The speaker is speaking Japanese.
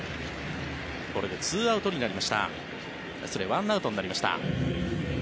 これで１アウトになりました。